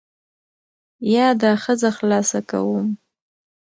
یا دا ښځه خلاصه کوم.